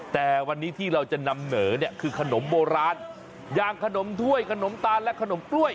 แต่วันนี้ที่เราจะนำเหนอเนี่ยคือขนมโบราณอย่างขนมถ้วยขนมตาลและขนมกล้วย